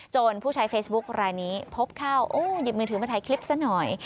ผู้ใช้เฟซบุ๊คลายนี้พบเข้าโอ้หยิบมือถือมาถ่ายคลิปซะหน่อย